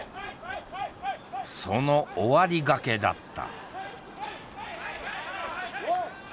その終わりがけだった。